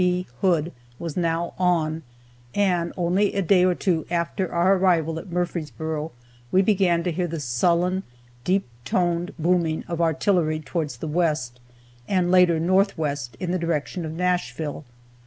B. Hood was now on, and only a day or two after our arrival at Murfreesboro we began to hear the sullen, deep toned booming of artillery towards the west, and later north west in the direction of Nashville.